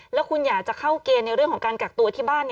แล้วคุณอยากจะเข้าเกณฑ์ในเรื่องของการกักตัวที่บ้าน